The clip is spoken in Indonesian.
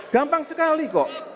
gampang sekali kok